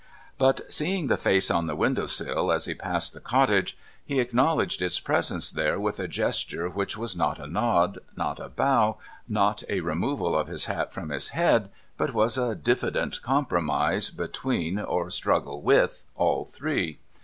But, seeing the face on the window sill as he passed the cottage, he acknowledged its presence there with a gesture, which was not a nod, not a bow, not a removal of his hat from his head, but was a diffident compromise between or struggle with all three.